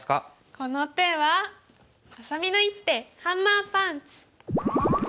この手はあさみの一手ハンマーパンチ！